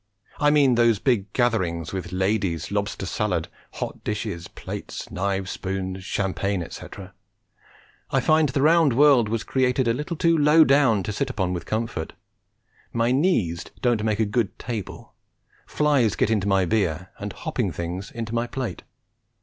I mean those big gatherings with ladies, lobster salad, hot dishes, plates, knives, spoons, champagne, etc. I find the round world was created a little too low down to sit upon with comfort; my knees don't make a good table; flies get into my beer and hopping things into my plate.